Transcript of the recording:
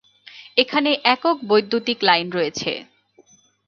এখানে একক বৈদ্যুতিক লাইন রয়েছে।